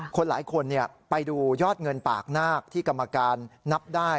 คนหลายคนไปดูยอดเงินปากนาคที่กรรมการนับได้